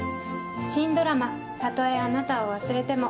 新ドラマ「たとえあなたを忘れても」